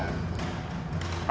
dan tindakan keji putramu